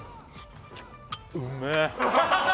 うめえ！